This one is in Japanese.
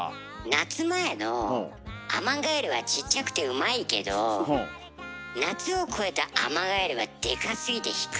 夏前のアマガエルはちっちゃくてうまいけど夏を越えたアマガエルはでかすぎて引く。